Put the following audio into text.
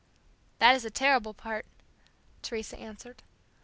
"That is the terrible part," Teresa answered.